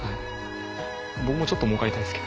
僕もちょっと儲かりたいですけど。